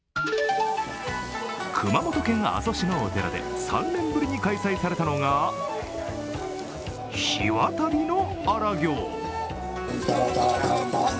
熊本県阿蘇市のお寺で３年ぶりに開催されたのが火渡りの荒行。